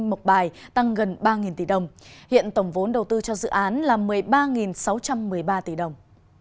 một bài tăng gần ba tỷ đồng hiện tổng vốn đầu tư cho dự án là một mươi ba sáu trăm một mươi ba tỷ đồng